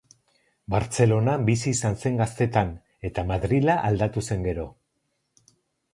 Bartzelonan bizi izan zen gaztetan eta Madrila aldatu zen gero.